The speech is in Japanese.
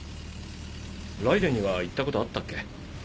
ライデンには行ったことあったっけ？